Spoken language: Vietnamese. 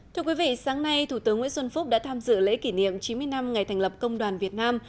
thưa quý vị sáng nay thủ tướng nguyễn xuân phúc đã tham dự lễ kỷ niệm chín mươi năm ngày thành lập công đoàn việt nam